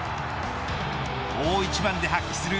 大一番で発揮する